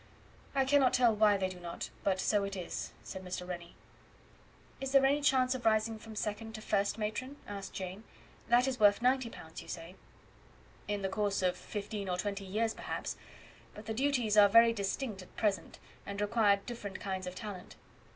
"I cannot tell why they do not, but so it is," said Mr. Rennie. "Is there any chance of rising from second to first matron?" asked Jane. "That is worth 90 pounds, you say." "In the course of fifteen or twenty years, perhaps; but the duties are very distinct at present, and require different kinds of talent."